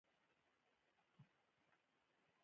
چې بیګا ته وي حیران څه به وساتي فیلان متل د غریبۍ کیسه ده